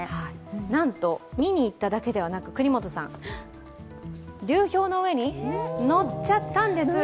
なんと國本さん、見に行っただけでなく流氷の上に乗っちゃったんです。